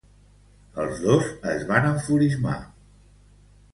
Els dos es van enfurismar.